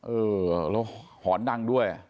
เออแล้วหอนดังด้วย